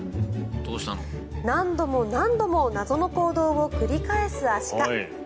何度も何度も謎の行動を繰り返すアシカ。